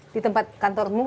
di tempat kantormu